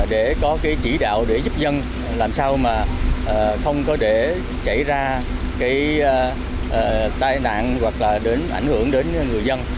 để có cái chỉ đạo để giúp dân làm sao mà không có để xảy ra cái tai nạn hoặc là đến ảnh hưởng đến người dân